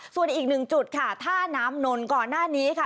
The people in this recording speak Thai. ส่วนอีกหนึ่งจุดค่ะท่าน้ำนนท์ก่อนหน้านี้ค่ะ